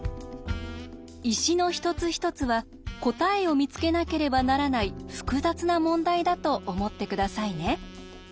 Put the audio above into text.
石の一つ一つは答えを見つけなければならない複雑な問題だと思って下さいね。